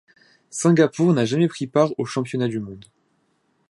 Singapour n'a jamais pris part aux championnats du monde.